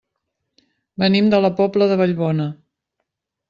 Venim de la Pobla de Vallbona.